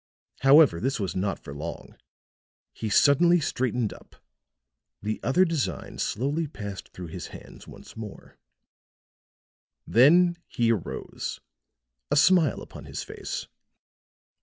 However, this was not for long; he suddenly straightened up; the other designs slowly passed through his hands once more; then he arose, a smile upon his face.